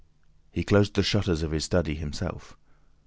He closed the shutters of his study himself.